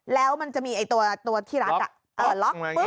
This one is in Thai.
แล้วมันจะมีตัวที่ล๊อคปึ๊บ